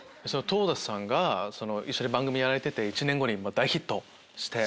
トータスさんが一緒に番組やられて１年後に大ヒットして。